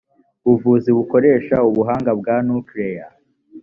buvuzi bukoresha ubuhanga bwa nuclear